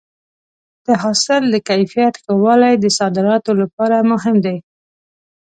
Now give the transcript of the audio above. د حاصل د کیفیت ښه والی د صادراتو لپاره مهم دی.